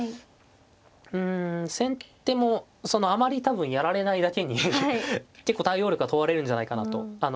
うん先手もあまり多分やられないだけに結構対応力が問われるんじゃないかなと。